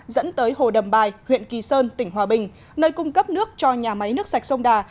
dẫn tới hồ đầm bài huyện kỳ sơn tỉnh hòa bình nơi cung cấp nước cho nhà máy nước sạch sông đà